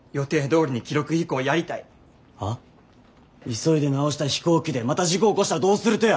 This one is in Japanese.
急いで直した飛行機でまた事故起こしたらどうするとや！